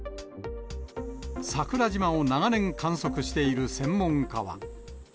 桜島を長年観測している専門家は。